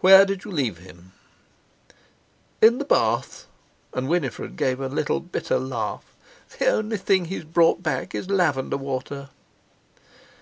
"Where did you leave him?" "In the bath," and Winifred gave a little bitter laugh. "The only thing he's brought back is lavender water."